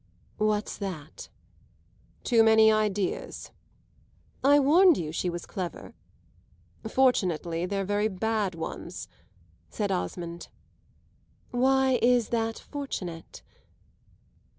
"What's that?" "Too many ideas." "I warned you she was clever." "Fortunately they're very bad ones," said Osmond. "Why is that fortunate?"